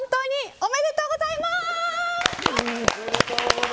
おめでとうございます。